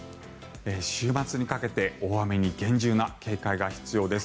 週末にかけて大雨に厳重な警戒が必要です。